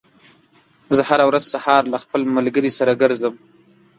زه هره ورځ سهار له خپل ملګري سره ګرځم.